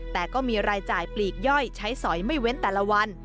แต่ก็มีรายจ่ายปลีกย่อยใช้สอยไม่เว้นแต่ละวัน